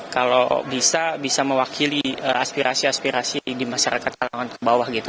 kalau bisa bisa mewakili aspirasi aspirasi di masyarakat kalangan ke bawah gitu